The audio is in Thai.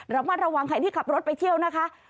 ระมัดระวังใครที่ขับรถไปเที่ยวนะคะ